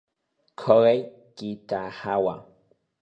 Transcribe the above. Kohei Kitagawa